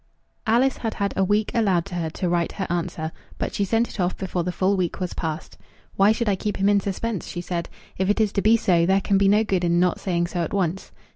Alice had had a week allowed to her to write her answer; but she sent it off before the full week was past. "Why should I keep him in suspense?" she said. "If it is to be so, there can be no good in not saying so at once."